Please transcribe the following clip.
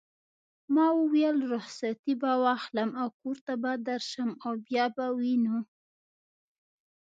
ما وویل: رخصتې به واخلم او کور ته به درشم او بیا به وینو.